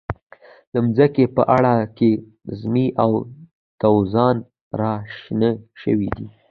د منځکي په اواړه کې زمۍ او دوزان را شنه شوي دي.